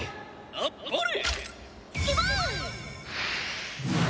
あっぱれ！